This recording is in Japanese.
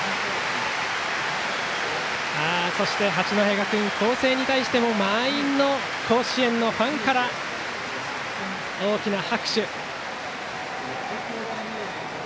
そして八戸学院光星に対しても満員の甲子園のファンから大きな拍手。